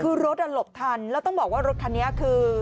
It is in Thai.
คือรถหลบทันแล้วต้องบอกว่ารถคันนี้คือ